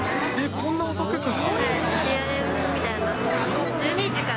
こんな遅くから？